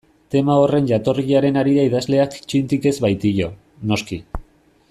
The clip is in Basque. Tema horren jatorriaren harira idazleak txintik ez baitio, noski.